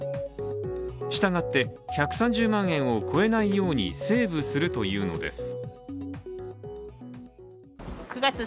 したがって１３０万円を超えないようにセーブするというのです。